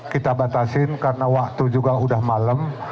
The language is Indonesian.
kita batasin karena waktu juga udah malam